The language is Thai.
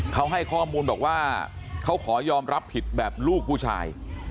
เขาให้ข้อมูลบอกว่าเขาขอยอมรับผิดแบบลูกผู้ชาย